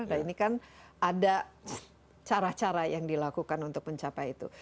nah ini kan ada cara cara yang dilakukan untuk mencapai itu